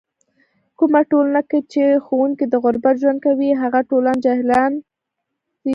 کومه ټولنه کې چې ښوونکی د غربت ژوند کوي، هغه ټولنه جاهلان زږوي.